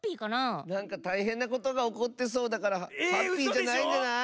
なんかたいへんなことがおこってそうだからハッピーじゃないんじゃない？